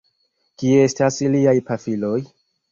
Kie estas iliaj pafiloj?